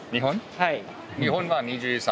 はい。